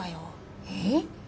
・えっ？